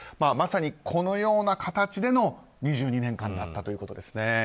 まさに、このような形での２２年間だったということですね。